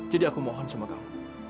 jadi aku mohon sama kamu